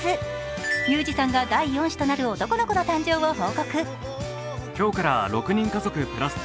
ユージさんが第４子となる男の子の誕生を報告。